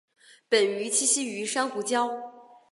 本鱼栖息于珊瑚礁。